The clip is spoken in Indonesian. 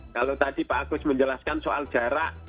kalau tadi pak agus menjelaskan soal jarak